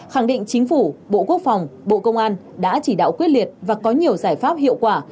khẳng định chính phủ bộ quốc phòng bộ công an đã chỉ đạo quyết liệt và có nhiều giải pháp hiệu quả